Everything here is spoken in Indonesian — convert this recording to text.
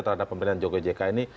terhadap pemerintahan jokowi jk ini